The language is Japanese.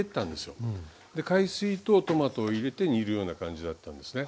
海水とトマトを入れて煮るような感じだったんですね。